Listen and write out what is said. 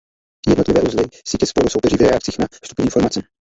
Jednotlivé uzly sítě spolu soupeří v reakcích na vstupní informace.